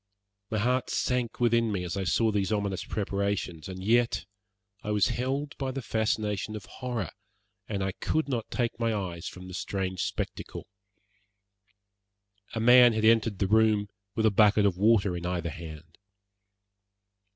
My heart sank within me as I saw these ominous preparations, and yet I was held by the fascination of horror, and I could not take my eyes from the strange spectacle. A man had entered the room with a bucket of water in either hand.